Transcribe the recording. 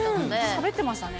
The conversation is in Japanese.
しゃべってましたね。